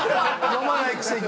読まないくせに！